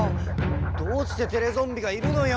どうしてテレゾンビがいるのよ！